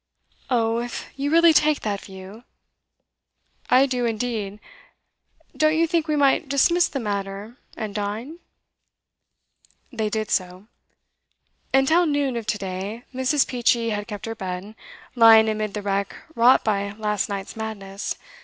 'Oh, if you really take that view ' 'I do indeed. Don't you think we might dismiss the matter, and dine?' They did so. Until noon of to day, Mrs. Peachey had kept her bed, lying amid the wreck wrought by last night's madness.